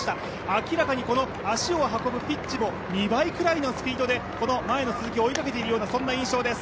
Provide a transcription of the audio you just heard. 明らかに足を運ぶピッチも２倍ぐらいのスピードで前の鈴木を追いかけているような印象です。